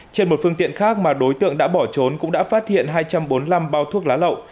trên một phương tiện khác mà đối tượng đã bỏ trốn cũng đã phát hiện hai trăm bốn mươi năm bao thuốc lá lậu